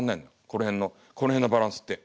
この辺のこの辺のバランスって。